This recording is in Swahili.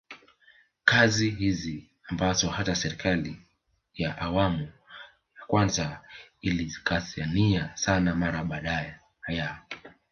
Kazi hizi ambazo hata serikali ya awamu ya kwanza ilizikazania sana mara baada ya